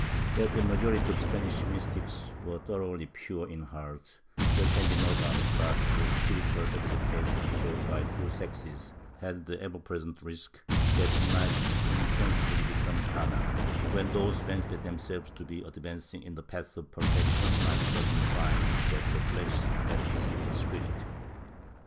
That the majority of the Spanish mystics were thoroughly pure in heart there can be no doubt, but spiritual exaltation, shared by the two sexes, had the ever present risk that it might insensibly become carnal, when those who fancied themselves to be advancing in the path of per fection might suddenly find that the flesh had deceived the spirit.